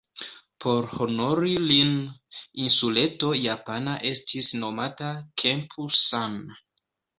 Por honori lin, insuleto japana estis nomata Kempu-san.